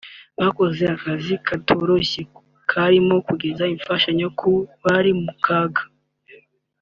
Bakoze akazi katoroshye karimo kugeza imfashanyo ku bari mu kaga